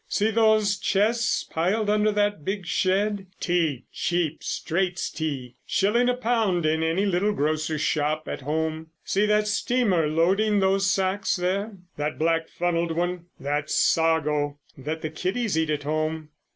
See those chests piled under that big shed? Tea—cheap 'Straits' tea—shilling a pound in any little grocer's shop at home! See that steamer loading those sacks, there, that black funnelled one? That's sago, that the kiddies eat at home."